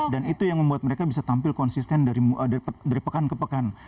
dan itu yang membuat mereka bisa tampil konsisten dari pekan ke pekan